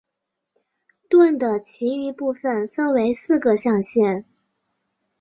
盾的其余部分分为四个象限。